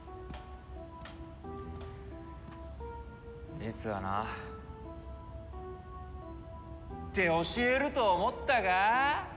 実はな。って教えると思ったか？